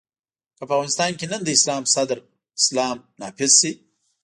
که په افغانستان کې نن د اسلام صدر اسلام نافذ شي.